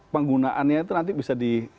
penggunaannya itu nanti bisa